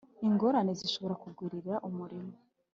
Ingorane zishobora kugwirira umurimo